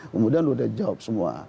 kemudian sudah dijawab semua